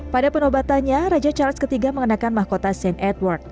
pada penobatannya raja charles iii mengenakan mahkota st edward